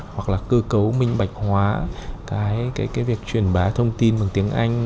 hoặc là cơ cấu minh bạch hóa cái việc truyền bá thông tin bằng tiếng anh